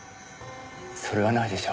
それはないでしょ。